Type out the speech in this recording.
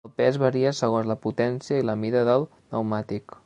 El pes varia segons la potència i la mida del pneumàtic.